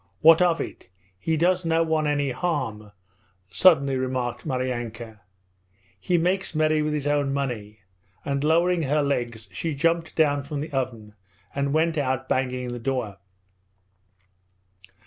'What of it? He does no one any harm,' suddenly remarked Maryanka. 'He makes merry with his own money,' and lowering her legs she jumped down from the oven and went out banging the door.